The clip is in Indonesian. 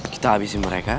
kita abisin mereka